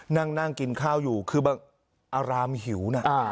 นั่งกินข้าวอยู่คือบางอารามหิวนะ